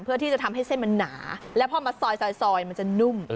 เพื่อที่จะทำให้เส้นมันหนาแล้วพอมาซอยมันจะนุ่ม